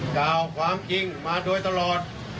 กล่าวความจริงมาโดยตลอด